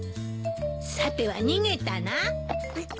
さては逃げたな。